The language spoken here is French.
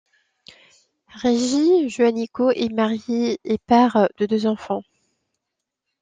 Régis Juanico est marié et père de deux enfants.